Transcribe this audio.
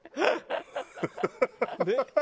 ハハハハ！